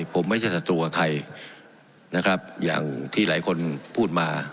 ผมไม่ใช่ศัตรูกับใครนะครับอย่างที่หลายคนพูดมา